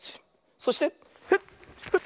そしてフッフッ！